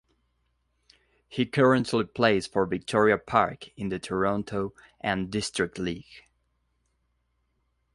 He currently plays for Victoria Park in the Toronto and District League.